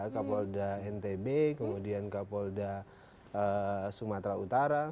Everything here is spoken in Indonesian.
kapolda ntb kemudian kapolda sumatera utara